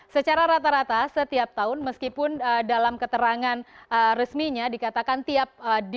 secara rata rata setiap tahun meskipun dalam keterangan resminya dikatakan tiap hari